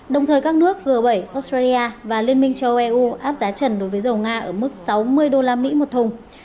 đồng thời các nước g bảy australia và liên minh châu âu eu áp giá trần đối với dầu nga ở mức sáu mươi usd một thùng